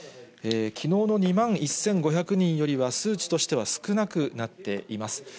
きのうの２万１５００人よりは、数値としては少なくなっています。